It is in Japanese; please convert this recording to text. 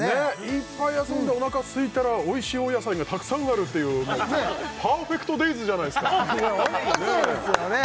いっぱい遊んでおなかすいたらおいしいお野菜がたくさんあるっていうもうパーフェクトデイズじゃないですかホントにそうですよね